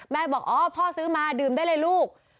บอกอ๋อพ่อซื้อมาดื่มได้เลยลูก